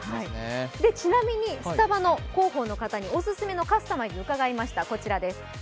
ちなみにスタバの広報の方にオススメのカスタマイズを伺いました。